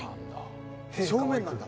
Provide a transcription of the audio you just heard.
正面なんだ。